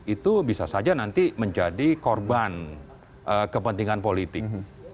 itu bisa saja nanti menjadi korban kepentingan politik